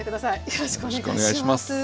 よろしくお願いします。